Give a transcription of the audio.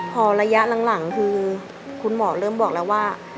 พอระยะหลังคือคุณหมอเริ่มบอกแล้วว่า